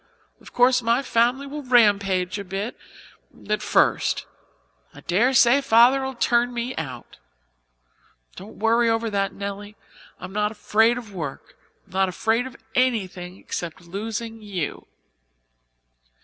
Of course, my family will rampage a bit at first. I daresay Father'll turn me out. Don't worry over that, Nelly. I'm not afraid of work. I'm not afraid of anything except losing you."